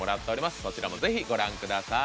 そちらもぜひご覧ください。